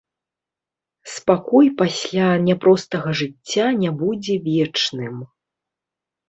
Спакой пасля няпростага жыцця не будзе вечным.